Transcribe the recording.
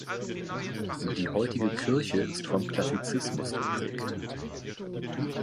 Die heutige Kirche ist vom Klassizismus geprägt.